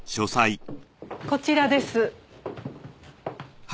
こちらです。